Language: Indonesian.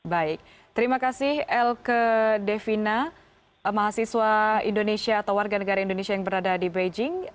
baik terima kasih elke devina mahasiswa indonesia atau warga negara indonesia yang berada di beijing